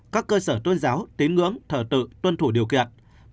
các cơ sở tuân giáo tín ngưỡng thở tự tuân thủ điều kiện